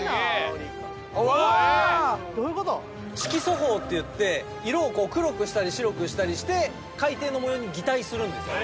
色素胞っていって色を黒くしたり白くしたりして海底の模様に擬態するんですよ。